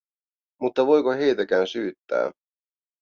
Mutta voiko heitäkään syyttää?